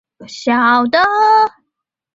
避免刺激是简单有效的方法。